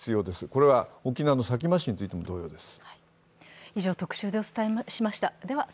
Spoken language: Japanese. これは沖縄の佐喜真氏についても同様です。